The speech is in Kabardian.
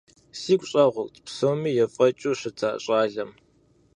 Сигу щӀэгъурт псоми ефӀэкӀыу щыта щӏалэм.